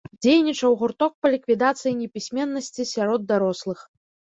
Дзейнічаў гурток па ліквідацыі непісьменнасці сярод дарослых.